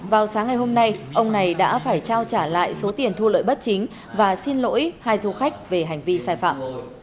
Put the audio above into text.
vào sáng ngày hôm nay ông này đã phải trao trả lại số tiền thu lợi bất chính và xin lỗi hai du khách về hành vi sai phạm